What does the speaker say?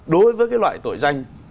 đối với cái loại tội danh